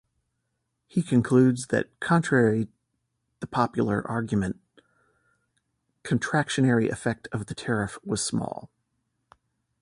He concludes that contrary the popular argument, contractionary effect of the tariff was small.